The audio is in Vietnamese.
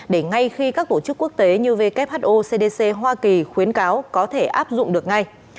để ngay khi các tổ chức quốc tế như who cdc hoa kỳ khuyến cáo có thể áp dụng được ngay